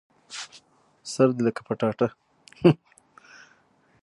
سر دي لکه پټاټه